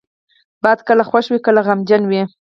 باد کله خوښ وي، کله غمجنه وي